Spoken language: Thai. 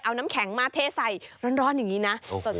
เอาน้ำแข็งมาเทใส่ร้อนอย่างนี้นะ